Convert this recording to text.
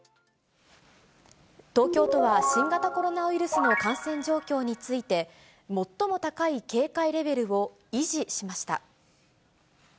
東京都は新型コロナウイルスの感染状況について、最も高い警戒レベルを維持しました。